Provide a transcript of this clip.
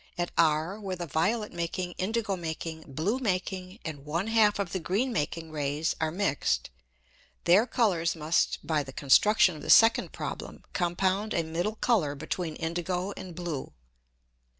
At R where the violet making, indigo making, blue making, and one half of the green making Rays are mixed, their Colours must (by the construction of the second Problem) compound a middle Colour between indigo and blue.